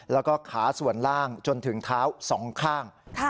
แล้วก็ขาส่วนล่างจนถึงเท้าสองข้าง